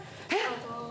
どうぞ。